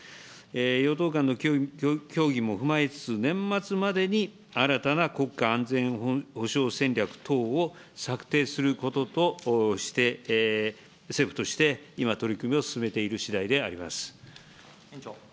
与党間の協議も踏まえつつ、年末までに、新たな国家安全保障戦略等を策定することとして、政府として今、取り組みを進めているしだいであります。